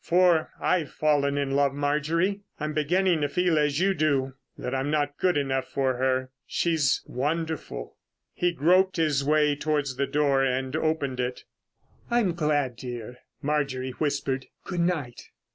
For I've fallen in love, Marjorie. I'm beginning to feel as you do—that I'm not good enough for her.... She's wonderful." He groped his way towards the door and opened it. "I'm glad, dear," Marjorie whispered. "Good night."